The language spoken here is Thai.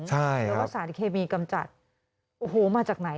แล้วก็สารเคมีกำจัดโอ้โหมาจากไหน